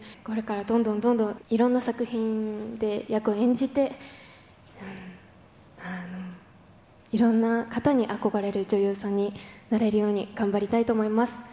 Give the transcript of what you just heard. これからどんどんどんどん、いろんな作品で役を演じて、いろんな方に憧れる女優さんになれるように頑張りたいと思います。